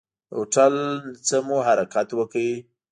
له هوټل نه مو حرکت وکړ.